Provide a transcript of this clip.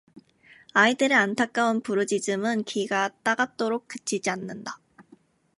아이들의 안타까운 부르짖음은 귀가 따갑도록 그치지 않는다.